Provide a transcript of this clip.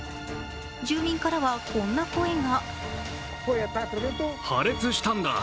住民からはこんな声が。